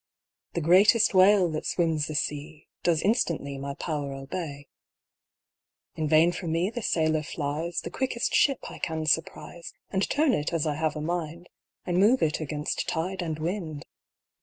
The greatest whale that swims the sea Does instantly my power obey. In vain from me the sailor flies, The quickest ship I can surprise, And turn it as I have a mind, And move it against tide and wind.